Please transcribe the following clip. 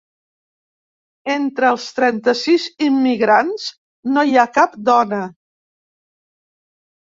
Entre els trenta-sis immigrants no hi ha cap dona.